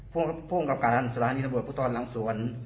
ภูมิกับการสลานีนับโหลดผู้ทอลหลังสวน